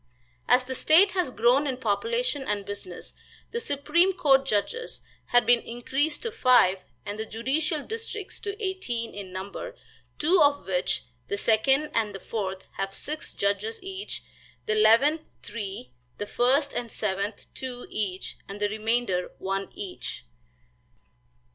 As the state has grown in population and business, the supreme court judges have been increased to five and the judicial districts to eighteen in number, two of which, the second and the fourth, have six judges each, the eleventh three, the first and seventh two each, and the remainder one each.